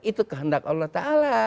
itu kehendak allah ta'ala